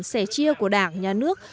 sẻ chia của đảng nhà nước